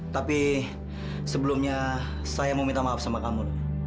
tapi sebelumnya saya mau minta maaf sama kamu